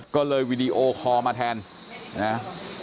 ก็เลยวีดีโอคอลมาแทนนะ